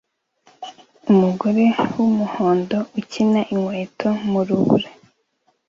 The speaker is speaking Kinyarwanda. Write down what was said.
Umugore wumuhondo ukina inkweto mu rubura